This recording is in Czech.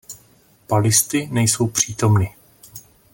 Palisty nejsou přítomny.